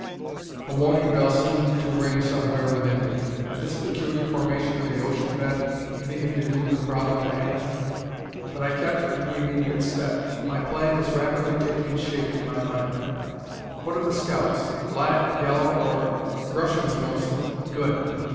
A warning bell seemed to ring somewhere within me. Had this peculiar formation of the ocean bed anything to do with the problem at hand? But I kept to the immediate step. My plan was rapidly taking shape in my mind. "What are the scouts black, yellow, or " "Russians, mostly." "Good.